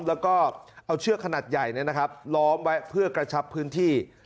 แล้วก็เอาเชื้อขนาดใหญ่เนี่ยนะครับล้อมไว้เพื่อกระชับพื้นที่